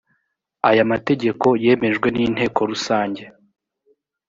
aya mategeko yemejwe n’inteko rusange